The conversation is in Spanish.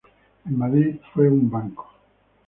En Madrid fue un banco.